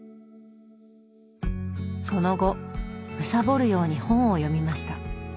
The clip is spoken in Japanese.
その後むさぼるように本を読みました。